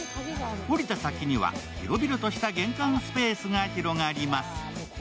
降りた先には、広々とした玄関スペースが広がります。